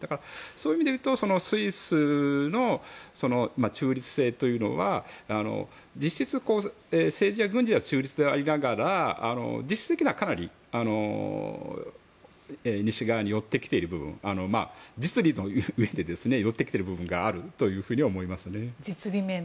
そういう意味でいうとスイスの中立性というのは実質、政治や軍事では中立でありながら実質的には、かなり西側に寄ってきている部分実利という面で寄ってきてる部分があるとは思います。